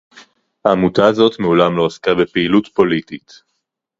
העמותה הזאת מעולם לא עסקה בפעילות פוליטית